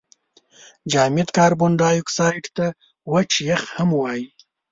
جامد کاربن دای اکساید ته وچ یخ هم وايي.